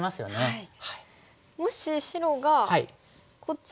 はい。